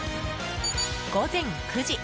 午前９時。